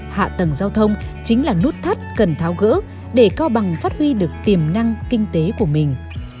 hạ tầng giao thông chính là nút thắt cần tháo gỡ để cao bằng phát huy được tiềm năng kinh tế của mình